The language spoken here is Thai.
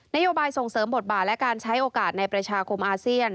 โยบายส่งเสริมบทบาทและการใช้โอกาสในประชาคมอาเซียน